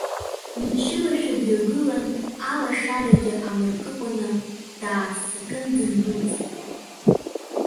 Мчылашәа дҩагылан, алашарагьы амыркыкәаны, дааццакын, дындәылҵит.